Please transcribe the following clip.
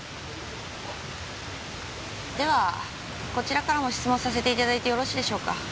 ではこちらからも質問させていただいてよろしいでしょうか？